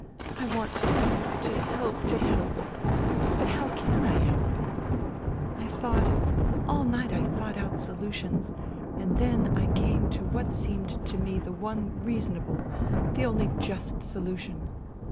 I want to help, to help, to help. But how can I help ?... I thought, all night I thought out solutions, and then I came to what seemed to me the one reasonable, the only just solution.